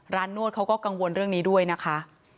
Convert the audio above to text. นวดเขาก็กังวลเรื่องนี้ด้วยนะคะ